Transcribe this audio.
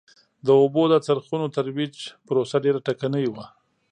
د اوبو د څرخونو ترویج پروسه ډېره ټکنۍ وه.